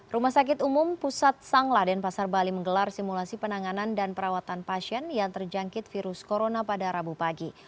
rumah sakit umum pusat sangla dan pasar bali menggelar simulasi penanganan dan perawatan pasien yang terjangkit virus corona pada rabu pagi